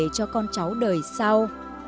cho con cháu đời sau